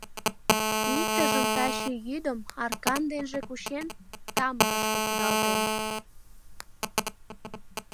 Иктыжым таче йӱдым, аркан денже кучен, тамыкышке кудалтен.